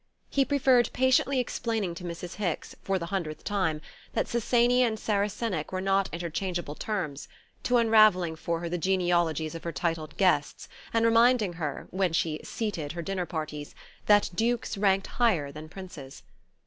He preferred patiently explaining to Mrs. Hicks, for the hundredth time, that Sassanian and Saracenic were not interchangeable terms, to unravelling for her the genealogies of her titled guests, and reminding her, when she "seated" her dinner parties, that Dukes ranked higher than Princes.